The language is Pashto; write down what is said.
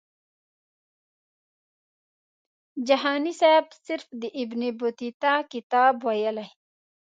جهاني سیب صرف د ابن بطوطه کتاب ویلی.